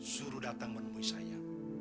suruh datang menemui saya